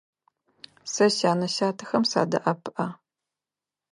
Сэ сянэ-сятэхэм садэӀэпыӀэ.